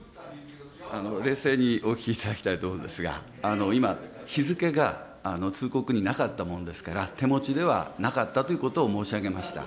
冷静にお聞きいただきたいと思うんですが、今、日付が通告になかったものですから、手持ちではなかったということを申し上げました。